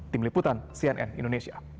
tim liputan cnn indonesia